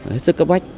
hết sức cấp bách